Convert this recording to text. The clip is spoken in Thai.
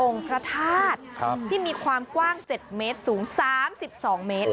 พระธาตุที่มีความกว้าง๗เมตรสูง๓๒เมตร